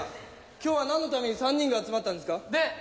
今日は何のために３人が集まったんですか？